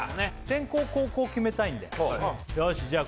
先攻後攻決めたいんでよしじゃ